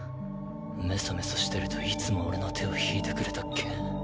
メソメソしてるといつも俺の手を引いてくれたっけ。